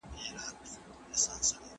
خاوند باید له کومو اړخونو وړتیا ولري؟